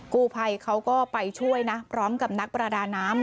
กูภัยเขาก็ไปช่วยนะพร้อมกับนักประดาน้ำ